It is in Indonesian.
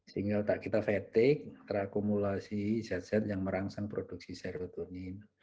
sehingga otak kita fetik terakumulasi zat zat yang merangsang produksi serotonin